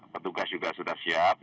petugas juga sudah siap